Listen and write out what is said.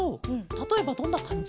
たとえばどんなかんじ？